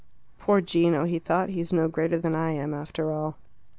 "Poor Gino," he thought. "He's no greater than I am, after all."